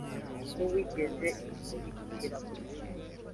Ko wigeze unkurikira gusa!